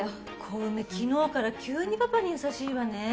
小梅昨日から急にパパに優しいわね